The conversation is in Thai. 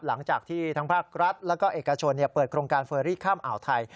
หลังจากที่ทั้งภาครัฐแล้วก็เอกชนเปิดโครงการเฟอรี่ข้ามอ่าวไทย